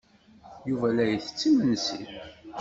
Yuba la ittett imensi.